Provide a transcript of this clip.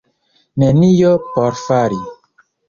Nenio por fari.